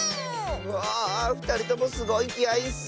わあっふたりともすごいきあいッス！